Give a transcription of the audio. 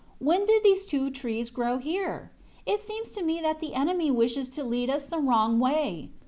When did these two trees grow here? It seems to me that the enemy wishes to lead us the wrong way.